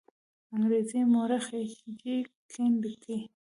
انګریز مورخ ایچ جي کین لیکي.